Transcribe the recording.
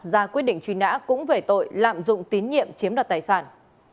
ra quyết định truy nã cũng về tội lạm dụng tín nhiệm chiếm đoạt tài sản